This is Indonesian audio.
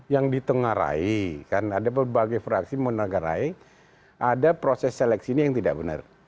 yang ditengarai kan ada berbagai fraksi menegarai ada proses seleksi ini yang tidak benar